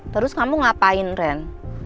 terus kamu ngapain ren